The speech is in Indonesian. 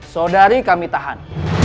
saudari kami tahan